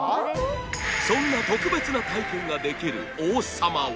そんな特別な体験ができる王様は？